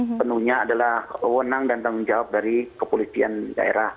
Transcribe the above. dan penuhnya adalah wenang dan tanggung jawab dari kepolisian daerah